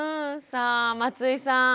さあ松井さん。